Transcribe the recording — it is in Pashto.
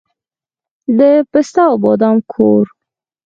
د پسته او بادام کور.